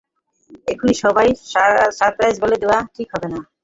এখনি সবাইকে সারপ্রাইজটা বলে দেওয়া ঠিক হবে না।